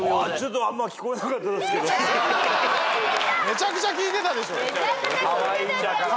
めちゃくちゃ聞いてたじゃん。